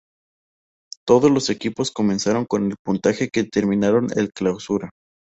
Todos los equipos comenzaron con el puntaje que terminaron el Clausura.